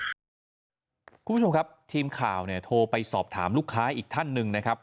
คุณผู้ชมครับทีมข่าวเนี่ยโทรไปสอบถามลูกค้าอีกท่านหนึ่งนะครับ